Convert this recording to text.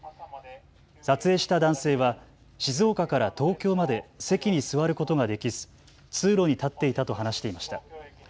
撮影した男性は静岡から東京まで席に座ることができず、通路に立っていたと話していました。